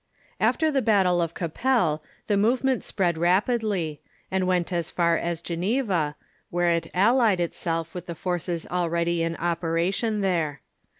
After the battle of Cappel the movement spread rapidly, and went as far as Geneva, where it allied itself with the forces already in operation there.